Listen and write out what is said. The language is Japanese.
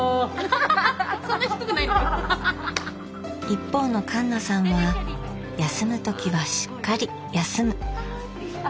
一方の環奈さんは休む時はしっかり休む。